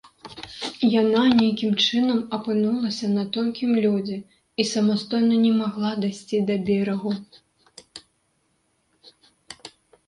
Яна нейкім чынам апынулася на тонкім лёдзе і самастойна не магла дайсці да берагу.